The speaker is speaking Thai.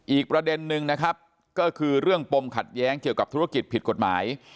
อีกประเด็นนึงนะครับก็คือเรื่องปมขัดแย้งเกี่ยวกับธุรกิจผิดกฎหมาย